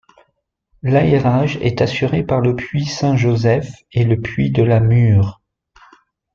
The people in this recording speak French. L'aérage est assuré par le puits Saint Joseph et le puits de la Mure.